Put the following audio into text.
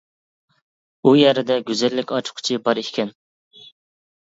ئۇ يەردە گۈزەللىك ئاچقۇچى بار ئىكەن.